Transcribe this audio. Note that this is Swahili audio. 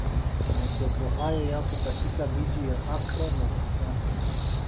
Masoko hayo yapo katika miji ya Accra na Asante